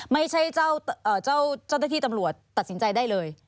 ไม่ใช่เจ้าหน้าที่ตำรวจตัดสินใจได้เลย